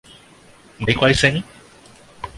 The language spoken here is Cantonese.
你貴姓？